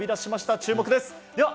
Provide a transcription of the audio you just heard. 注目です。